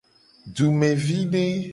Dumevide.